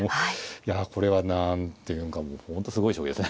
いやこれは何ていうんかもう本当すごい将棋ですね。